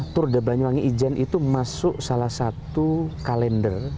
tour de banyuwangi ijen itu masuk salah satu kalender